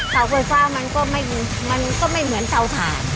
เสาไฟฟ้ามันก็ไม่เหมือนเตาถ่าน